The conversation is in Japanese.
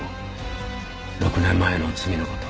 ６年前の罪の事。